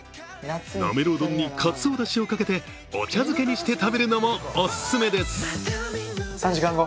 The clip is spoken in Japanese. なめろう丼にかつおだしをかけてお茶漬けにして食べるのもお勧めです。